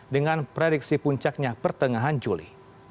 dengan prediksi puncaknya pertengahan juli